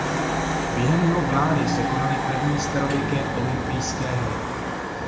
Během jeho vlády se konaly první starověké olympijské hry.